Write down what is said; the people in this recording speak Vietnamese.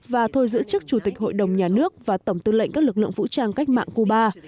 và thôi giữ chức chủ tịch hội đồng nhà nước và tổng tư lệnh các lực lượng vũ trang cách mạng cuba